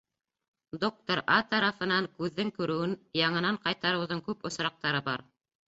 Доктор А. тарафынан күҙҙең күреүен яңынан ҡайтарыуҙың күп осраҡтары бар